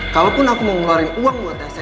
kalaupun aku mau ngeluarin uang buat dasar